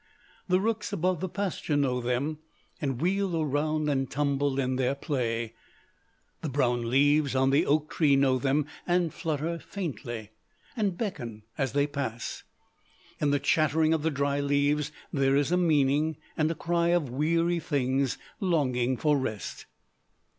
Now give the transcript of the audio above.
The rooks above the pasture know them, and wheel around and tumble in their play. "The brown leaves on the oak tree know them, and flutter faintly, and beckon as they pass. In the chattering of the dry leaves there is a meaning, and a cry of weary things longing for rest.